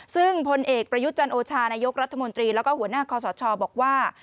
ซึ่งผลเอกประยุจรรย์โอชานายกรัฐมนตรีและหัวหน้าข้อสอชอบอกว่า